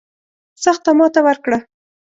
سخته ماته ورکړه.